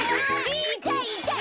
いたいいたい！